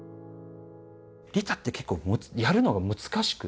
利他って結構やるのは難しくて。